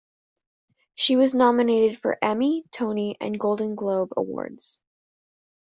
She was nominated for Emmy, Tony and Golden Globe Awards.